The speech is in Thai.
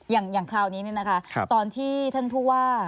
อย่างคราวนี้ตอนที่ท่านผู้ว่า